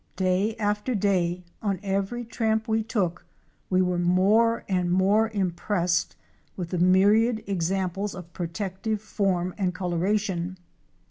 Day after day, on every tramp we took we were more and more impressed with the myriad examples of protective form and coloration.